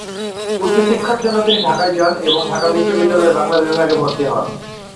উচ্চ শিক্ষার জন্য তিনি ঢাকায় যান এবং ঢাকা বিশ্ববিদ্যালয়ের বাংলা বিভাগে ভর্তি হন।